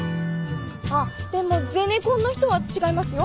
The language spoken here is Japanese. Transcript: あっでもゼネコンの人は違いますよ。